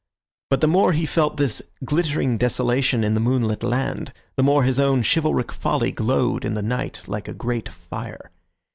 But the more he felt this glittering desolation in the moonlit land, the more his own chivalric folly glowed in the night like a great fire.